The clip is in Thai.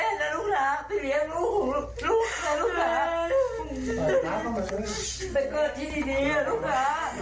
แม่มารับลูกกลับเลยล่ะลูกน้าไปอยู่กับแม่แล้วลูกน้าไปเลี้ยงลูกของลูกล่ะลูกน้า